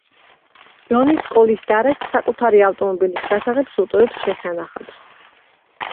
ჯონი სკოლის დარაჯს საკუთარი ავტომობილის გასაღებს უტოვებს შესანახად.